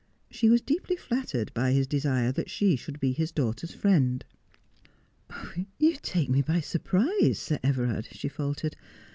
She was deeply flattered by his desire that she should be his daughter's friend. ' You take me by surprise, Sir Everard,' she faltered.